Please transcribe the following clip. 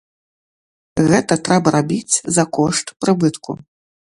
Гэта трэба рабіць за кошт прыбытку.